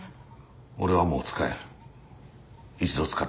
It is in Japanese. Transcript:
俺はもう使えん。